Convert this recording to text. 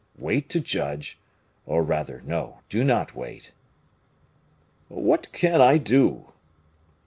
Wait to judge; or rather, no, do not wait " "What can I do?"